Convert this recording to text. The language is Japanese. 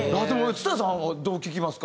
蔦谷さんはどう聴きますか？